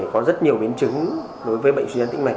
có rất nhiều biến trứng đối với bệnh suy dãn tĩnh mạch